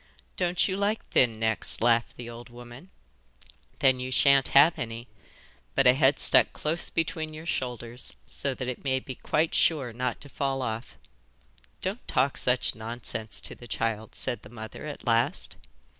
'Don't you like thin necks?' laughed the old woman. 'Then you sha'n't have any, but a head stuck close between your shoulders so that it may be quite sure not to fall off.' 'Don't talk such nonsense to the child,' said the mother at last.